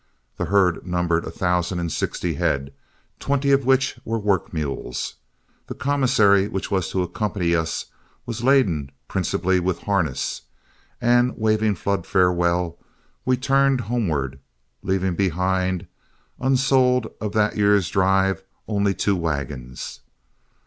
The herd numbered a thousand and sixty head, twenty of which were work mules. The commissary which was to accompany us was laden principally with harness; and waving Flood farewell, we turned homeward, leaving behind unsold of that year's drive only two wagons.